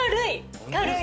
軽い！